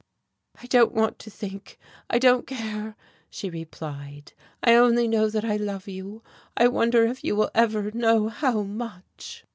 "I don't want to think I don't care," she replied. "I only know that I love you. I wonder if you will ever know how much!"